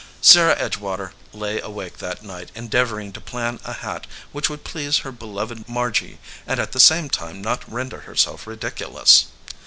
Sarah Edgewater lay awake that night endeavor ing to plan a hat which would please her beloved Margy and at the same time not render herself ridiculous.